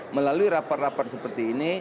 melalui rapat rapat seperti ini